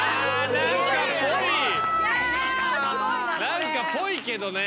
何かぽいけどね。